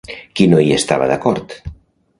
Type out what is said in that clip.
Qui no hi estava d'acord?